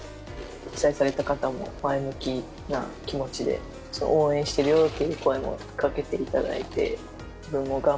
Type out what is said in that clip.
被災された方も前向きな気持ちで「応援してるよ！」っていう声もかけて頂いて。